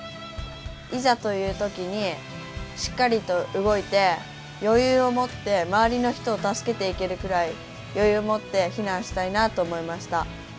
いざという時にしっかりと動いて余裕を持って周りの人を助けていけるくらい余裕を持って避難したいなと思いました。